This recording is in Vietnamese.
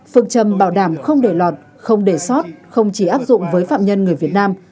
phương trầm bảo đảm không để lọt không để sót không chỉ áp dụng với phạm nhân người việt nam